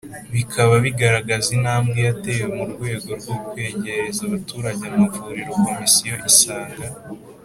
Bikaba bigaragaza intambwe yatewe mu rwego rwo kwegereza abaturage amavuriro komisiyo isanga